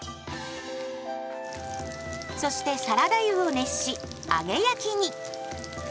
そしてサラダ油を熱し揚げ焼きに。